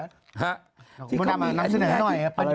บนดำมานำเสนอหน่อยครับ